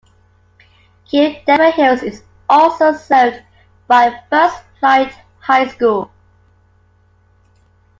Kill Devil Hills is also served by First Flight High School.